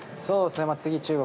次、中国